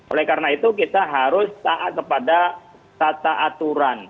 oleh karena itu kita harus taat kepada tata aturan